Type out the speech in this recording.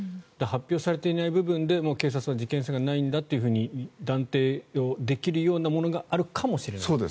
発表されていない部分で警察は事件性はないんだと断定をできるようなものがあるかもしれないと。